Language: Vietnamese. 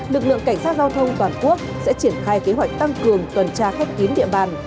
lực lượng cảnh sát giao thông toàn quốc sẽ triển khai kế hoạch tăng cường tuần tra khép kín địa bàn